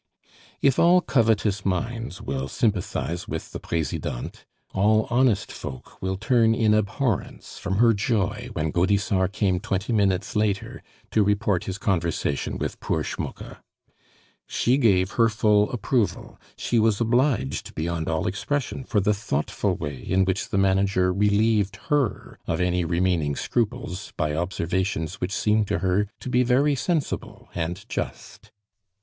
If all covetous minds will sympathize with the Presidente, all honest folk will turn in abhorrence from her joy when Gaudissart came twenty minutes later to report his conversation with poor Schmucke. She gave her full approval; she was obliged beyond all expression for the thoughtful way in which the manager relieved her of any remaining scruples by observations which seemed to her to be very sensible and just.